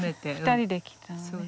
２人で来たのね。